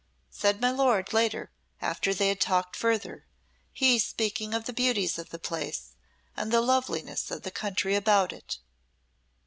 said my lord later after they had talked further, he speaking of the beauties of the place and the loveliness of the country about it.